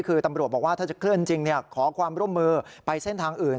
คือตำรวจบอกว่าถ้าจะเคลื่อนจริงขอความร่วมมือไปเส้นทางอื่น